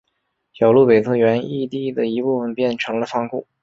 小路北侧原义地的一部分变成了仓库。